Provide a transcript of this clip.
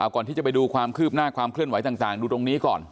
ก่อนที่จะไปดูความคืบหน้าความเคลื่อนไหวต่างดูตรงนี้ก่อน